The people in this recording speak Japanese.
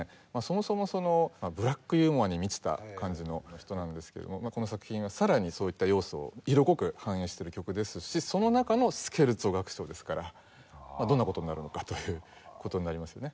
そもそもブラックユーモアに満ちた感じの人なんですけれどもこの作品はさらにそういった要素を色濃く反映している曲ですしその中のスケルツォ楽章ですからどんな事になるのかという事になりますよね。